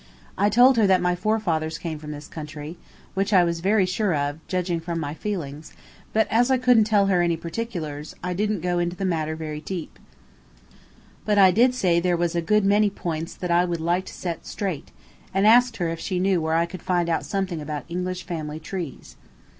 I told her that my forefathers came from this country, which I was very sure of, judging from my feelings; but as I couldn't tell her any particulars, I didn't go into the matter very deep. But I did say there was a good many points that I would like to set straight, and asked her if she knew where I could find out something about English family trees.